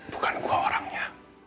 bukan gue orangnya